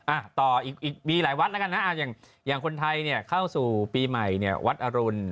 อ่าต่ออีกมีหลายวัดนะครับอย่างคนไทยเข้าสู่ปีใหม่วัดอรุณ